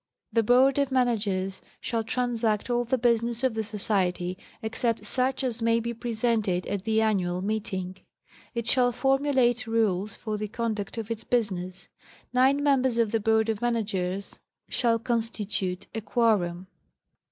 The Board of Managers shall transact all the business of the Society, except such as may be presented at the annual meeting. It shall formulate rules for the conduct of its business. Nine members of the Board of Managers shall constitute a quorum.